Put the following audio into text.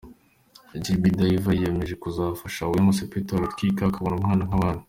gb Diva yiyemeje kuzafasha Wema Sepetu agatwita, akabona umwana nk’abandi.